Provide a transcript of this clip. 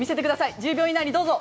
１０秒以内にどうぞ。